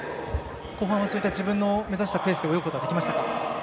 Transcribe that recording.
後半は自分の目指したペースで泳ぐことはできましたか？